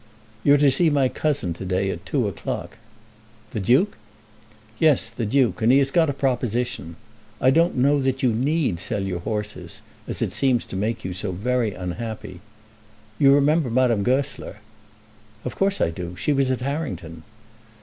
"You're to see my cousin to day at two o'clock." "The Duke?" "Yes, the Duke; and he has got a proposition. I don't know that you need sell your horses, as it seems to make you so very unhappy. You remember Madame Goesler?" "Of course I do. She was at Harrington."